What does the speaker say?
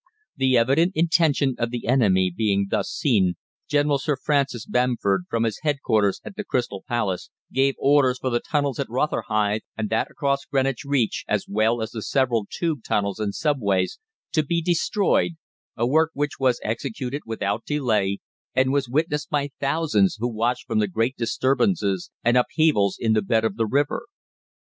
The evident intention of the enemy being thus seen, General Sir Francis Bamford, from his headquarters at the Crystal Palace, gave orders for the tunnels at Rotherhithe and that across Greenwich Reach, as well as the several "tube" tunnels and subways, to be destroyed, a work which was executed without delay, and was witnessed by thousands, who watched for the great disturbances and upheavals in the bed of the river.